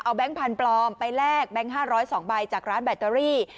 เอาแบงค์พันธุ์ปลอมไปแลกแบงค์๕๐๐บาท๒ใบจากร้านแบตเตอรี่